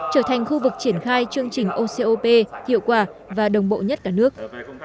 trở thành khu vực triển khai chương trình ocop hiệu quả và đồng bộ nhất cả nước